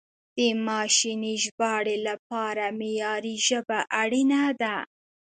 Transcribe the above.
د ماشیني ژباړې لپاره معیاري ژبه اړینه ده.